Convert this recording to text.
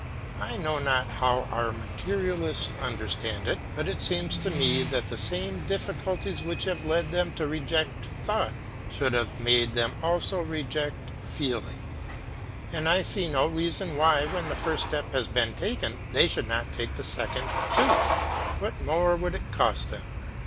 I know not how our materialists understand it, but it seems to me that the same difficulties which have led them to reject thought, should have made them also reject feeling; and I see no reason why, when the first step has been taken, they should not take the second too; what more would it cost them?